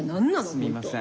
すみません。